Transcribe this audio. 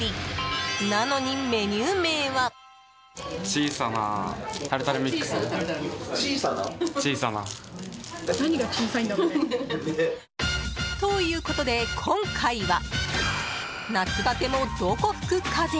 なのにメニュー名は。ということで今回は夏バテもどこ吹く風！